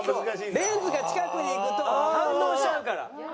レンズが近くに行くと反応しちゃうから。